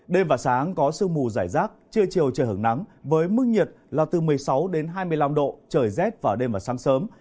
đêm và sáng có sương mù giải rác trưa chiều trời hưởng nắng với mức nhiệt là từ một mươi sáu đến hai mươi năm độ trời rét vào đêm và sáng sớm